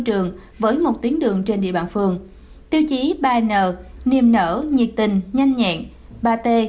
trường với một tuyến đường trên địa bàn phường tiêu chí ba n niềm nở nhiệt tình nhanh nhẹn ba t